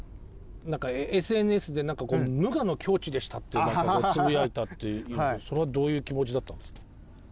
ＳＮＳで「無我の境地でした」ってつぶやいたっていうんですけどそれはどういう気持ちだったんですか？